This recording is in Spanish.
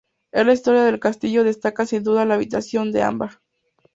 En la historia del castillo destaca sin duda la habitación de ámbar.